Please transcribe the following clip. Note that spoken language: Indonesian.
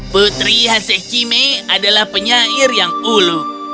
putri hansechime adalah penyair yang ulu